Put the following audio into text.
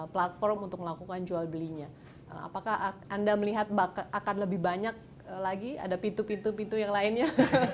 platform untuk melakukan jual belinya apakah anda melihat akan lebih banyak lagi ada pintu pintu pintu yang lainnya